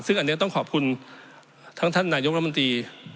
ซึ่งอันนี้ต้องขอบคุณทั้งท่านนายกรมนตรี